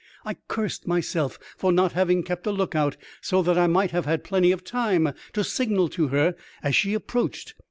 I cursed myself for not having kept a look out, so that I might have had plenty of time to signal to her as she approached.